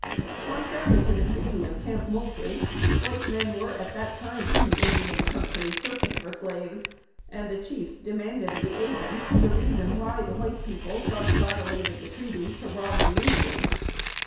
Contrary to the treaty of Camp Moultrie, white men were at that time in the Indian country searching for slaves, and the chiefs demanded of the Agent the reason why the white people thus violated the treaty to rob the Indians?